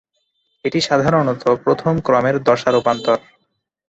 এটি সাধারণত প্রথম ক্রমের দশা রূপান্তর।